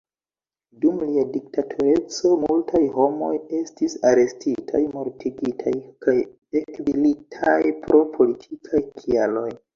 Dum lia diktatoreco, multaj homoj estis arestitaj, mortigitaj kaj ekzilitaj pro politikaj kialoj.